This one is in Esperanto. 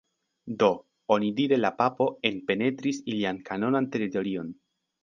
Do, onidire la papo enpenetris ilian kanonan teritorion.